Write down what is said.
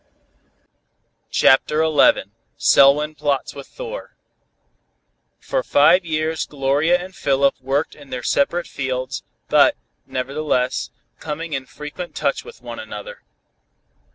CHAPTER XI SELWYN PLOTS WITH THOR For five years Gloria and Philip worked in their separate fields, but, nevertheless, coming in frequent touch with one another.